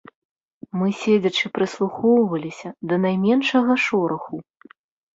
Мы седзячы прыслухоўваліся да найменшага шораху.